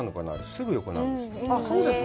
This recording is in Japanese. すぐ横なんです。